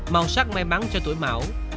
màu sắc may mắn cho tuổi mảo